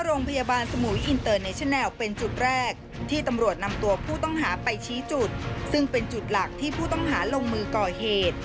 โรงพยาบาลสมุยอินเตอร์เนชันแลลเป็นจุดแรกที่ตำรวจนำตัวผู้ต้องหาไปชี้จุดซึ่งเป็นจุดหลักที่ผู้ต้องหาลงมือก่อเหตุ